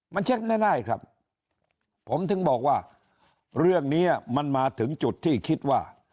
มันเช็คง่ายครับผมถึงบอกว่าเรื่องนี้มันมาถึงจุดที่คิดว่า